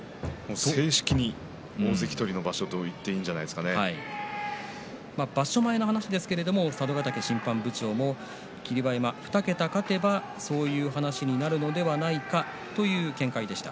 正式に大関取りの場所といって場所前の話ですが佐渡ヶ嶽審判部長も霧馬山が２桁勝てばそういう話になるのではないかという見解でした。